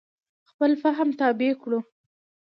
خپل فهم تابع کړو.